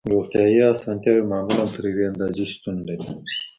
روغتیایی اسانتیاوې معمولاً تر یوې اندازې شتون لري